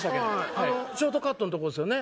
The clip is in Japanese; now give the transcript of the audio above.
あのショートカットのとこですよね